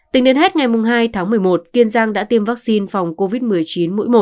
tính đến hết ngày hai tháng một mươi một kiên giang đã tiêm vaccine phòng covid một mươi chín mũi một